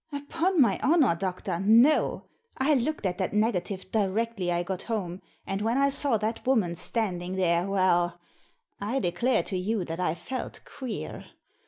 " Upon my honour, doctor, no. I looked at that negative directly I got home, and when I saw that woman standing there, well — I declare to you that I felt queer.